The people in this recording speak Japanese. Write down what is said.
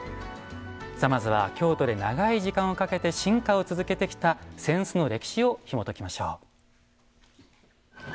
まずは京都で長い時間をかけて進化を続けてきた扇子の歴史をひもときましょう。